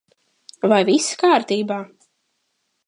Vai viss kārtībā?